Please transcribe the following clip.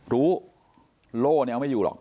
รู้โล่แนวไม่อยู่หรอก